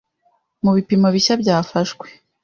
mu bipimo bishya byafashwe